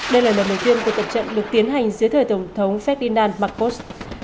đây là lần đầu tiên cuộc tập trận được tiến hành dưới thời tổng thống fertina marcos